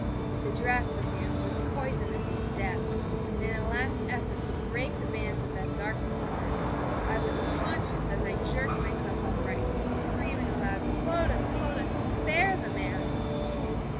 The draught, I knew, was poisonous as death: and in a last effort to break the bands of that dark slumber, I was conscious, as I jerked myself upright, of screaming aloud: 'Clodagh! Clodagh! _Spare the man...!